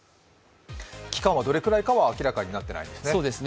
期間はどれぐらいかは明らかになっていないんですね？